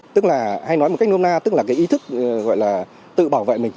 tức là hay nói một cách nôm na tức là cái ý thức gọi là tự bảo vệ mình